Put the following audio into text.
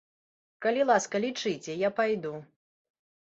Калі ласка, лічыце, я пайду.